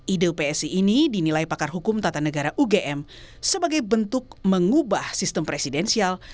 ide psi ini dinilai pakar hukum tata negara ugm sebagai bentuk mengubah sistem presidensial